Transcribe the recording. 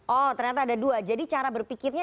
oh ternyata ada dua jadi cara berpikirnya